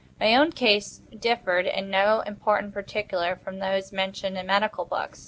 My own case differed in no important particular from those mentioned in medical books.